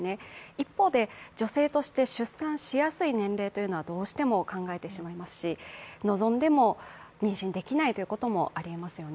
一方で女性として出産しやすい年齢というのはどうしても考えてしまいますし望んでも妊娠できない部分もあります。